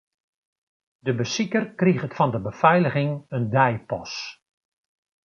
De besiker kriget fan de befeiliging in deipas.